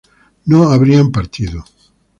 no habrían partido